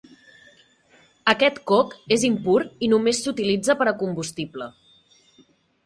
Aquest coc és impur i només s'utilitza per a combustible.